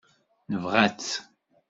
Nebɣa-tt.